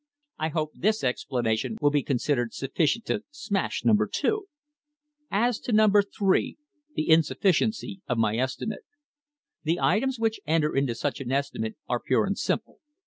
I hope this explanation will be considered sufficient to "smash" Number 2. 3. As to Number 3, the insufficiency of my estimate. The items which enter into such an estimate are pure and simple.